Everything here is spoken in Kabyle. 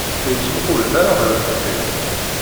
Ur ttmuqqulet ara ɣer deffir.